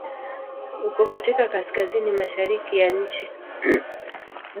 Uko katika Kaskazini mashariki ya nchi.